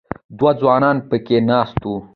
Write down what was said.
دوه ځوانان په کې ناست وو.